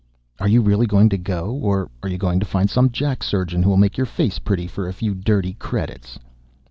"Are you really going to go? Or are you going to find some jack surgeon who'll make your face pretty for a few dirty credits?"